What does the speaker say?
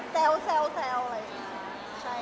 ไม่รู้ค่ะ